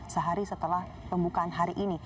sehari setelah pembukaan hari ini